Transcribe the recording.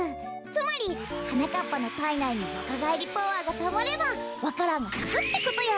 つまりはなかっぱのたいないにわかがえりパワーがたまればわか蘭がさくってことよ！